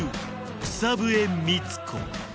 草笛光子